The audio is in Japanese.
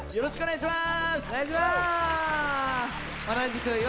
よろしくお願いします。